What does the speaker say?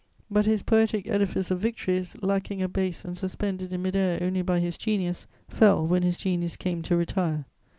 But his poetic edifice of victories, lacking a base and suspended in mid air only by his genius, fell when his genius came to retire.